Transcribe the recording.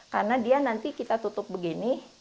karena dia nanti kita tutup begini